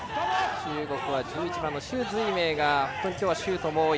中国は１１番の朱瑞銘が今日はシュートも多い。